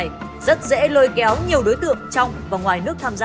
các tổ chức ngoại vi này rất dễ lôi kéo nhiều đối tượng trong và ngoài nước tham gia